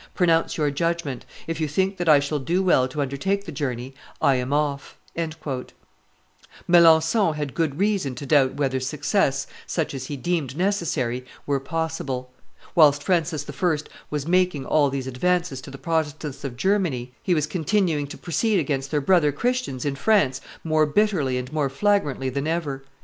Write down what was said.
Pronounce your judgment. If you think that I shall do well to undertake the journey, I am off." Melancthon had good reason to doubt whether success, such as he deemed necessary, were possible. Whilst Francis I. was making all these advances to the Protestants of Germany, he was continuing to proceed against their brother Christians in France more bitterly and more flagrantly than ever.